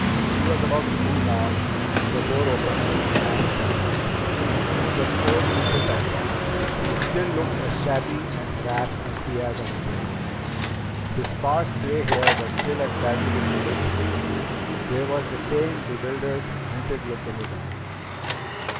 She was about to move on when the door opened and a man stepped out. It was old Mr. Tytell! He still looked as shabby and harassed as he had on the plane. His sparse gray hair was still as badly in need of trimming. There was the same bewildered, hunted look in his eyes.